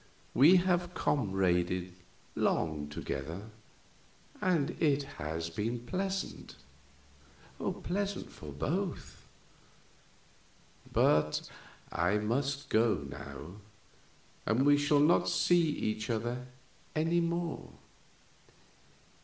"We have comraded long together, and it has been pleasant pleasant for both; but I must go now, and we shall not see each other any more."